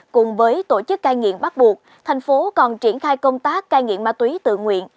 cùng với tổ chức cai nghiện bắt buộc thành phố còn triển khai công tác cai nghiện ma túy tự nguyện